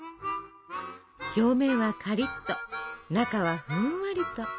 表面はカリッと中はふんわりと。